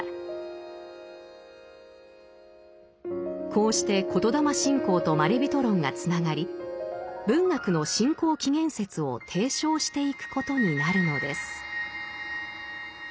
こうして言霊信仰とまれびと論がつながり文学の信仰起源説を提唱していくことになるのです。